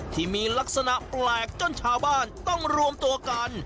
ที่มีลักษณะแปลกจนชาวบ้านต้องรวมตัวกัน